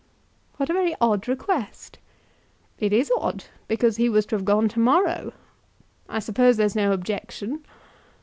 "What a very odd request!" "It is odd, because he was to have gone to morrow. I suppose there's no objection."